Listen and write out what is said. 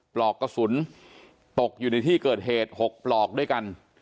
ปลอกกระสุนตกอยู่ในที่เกิดเหตุ๖ปลอกด้วยกัน